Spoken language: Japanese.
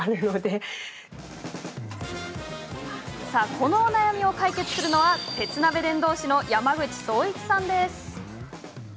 このお悩みを解決するのは鉄鍋伝道師の山口壮一さんです。